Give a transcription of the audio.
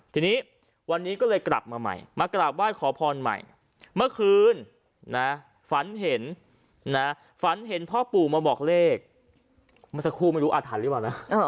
ทีนี้วันนี้ก็เลยกลับมาใหม่มากราบไหว้ขอพรใหม่เมื่อคืนนะฝันเห็นนะฝันเห็นพ่อปู่มาบอกเลขเมื่อสักครู่ไม่รู้อาถรรพ์หรือเปล่านะ